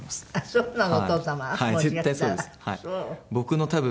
そうなの？